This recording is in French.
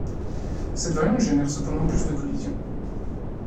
Cette variante génère cependant plus de collisions.